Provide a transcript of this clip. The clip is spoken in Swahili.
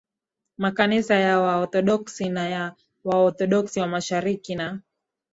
Makanisa ya Waorthodoksi na ya Waorthodoksi wa Mashariki na